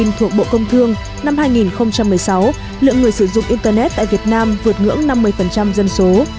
thuộc bộ công thương năm hai nghìn một mươi sáu lượng người sử dụng internet tại việt nam vượt ngưỡng năm mươi dân số